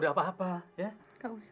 ya allah aku perdre ya allah